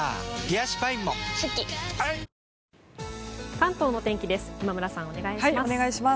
関東の天気です。